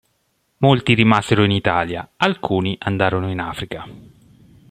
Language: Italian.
Molti rimasero in Italia, alcuni andarono in Africa.